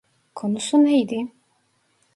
Konusu neydi?